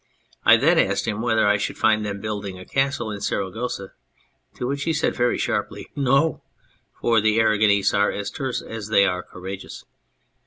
I then asked him whether I should find them building a castle in Saragossa, to which he said very sharply, ' No !' for the Aragonese are as terse as they are courageous.